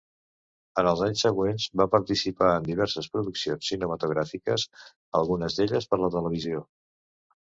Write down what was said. En els anys següents va participar en diverses produccions cinematogràfiques, algunes d'elles per la televisió.